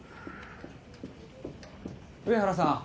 上原さん